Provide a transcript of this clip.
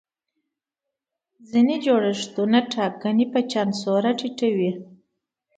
ځینې جوړښتونه ټاکنې په چانسونو را ټیټوي.